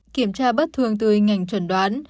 kiểm tra bất thường từ hình ảnh trần đoán